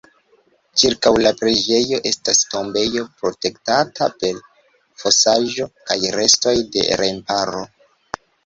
Ĉirkaŭ la preĝejo estas tombejo protektata per fosaĵo kaj restoj de remparo.